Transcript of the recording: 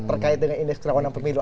terkait dengan indeks rawanan pemilu